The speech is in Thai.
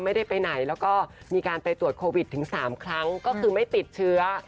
ไม่ได้ไปไหนแล้วก็มีการไปตรวจโควิดถึง๓ครั้งก็คือไม่ติดเชื้อ